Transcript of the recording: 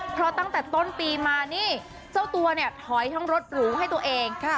เพราะตั้งแต่ต้นปีมานี่เจ้าตัวเนี่ยถอยทั้งรถหรูให้ตัวเอง